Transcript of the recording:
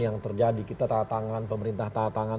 yang terjadi kita tahan tangan pemerintah tahan tangan